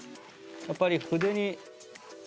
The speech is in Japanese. やっぱり筆に。